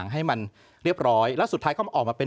ให้มันเรียบร้อยแล้วสุดท้ายก็ออกมาเป็น